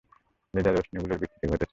Laser রশ্মিগুলোর বিস্তৃতি ঘটছে।